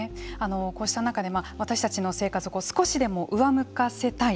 こうした中で私たちの生活を少しでも上向かせたい。